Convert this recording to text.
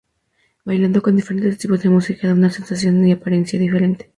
Bailando con diferentes tipos de música da una sensación y apariencia diferente.